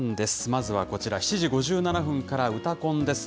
まずはこちら、７時５７分からうたコンです。